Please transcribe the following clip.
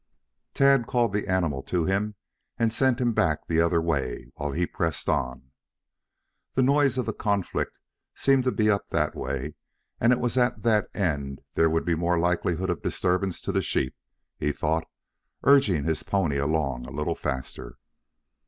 Tad called the animal to him and sent him back the other way, while he pressed on. The noise of the conflict seemed to be up that way and it was at that end that there would be more likelihood of disturbance to the sheep, he thought, urging his pony along a little faster.